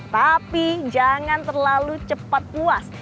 tapi jangan terlalu cepat puas